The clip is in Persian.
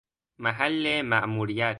محل مأموریت